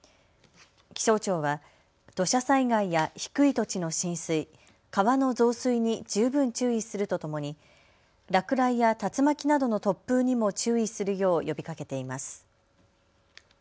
気象庁は土砂災害や低い土地の浸水、川の増水に十分注意するとともに落雷や竜巻などの突風にも注意するよう呼びかけています。